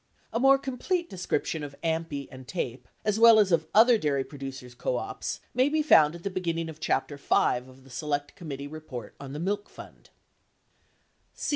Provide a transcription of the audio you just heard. A more complete description of AMPI and TAPE, as well as of other dairy producers' co ops, may be found at the beginning of chapter 5 of the Select Committee report on the Milk Fund.